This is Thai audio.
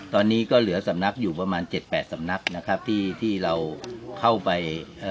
ตอนนี้ก็เหลือสำนักอยู่ประมาณ๗๘สำนักที่เราเข้าไป